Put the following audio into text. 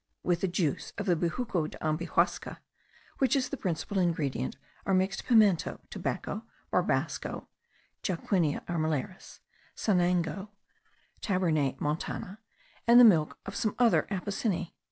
With the juice of the bejuco de ambihuasca, which is the principal ingredient, are mixed pimento, tobacco, barbasco (Jacquinia armillaris), sanango (Tabernae montana), and the milk of some other apocyneae.